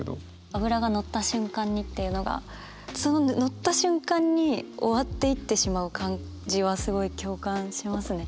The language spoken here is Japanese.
「脂が乗った瞬間に」っていうのがその乗った瞬間に終わっていってしまう感じはすごい共感しますね。